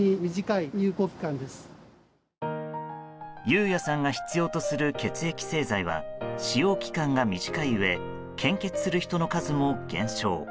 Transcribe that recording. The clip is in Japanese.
雄也さんが必要とする血液製剤は使用期間が短いうえ献血する人の数も減少。